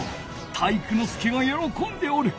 体育ノ介がよろこんでおる。